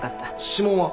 指紋は？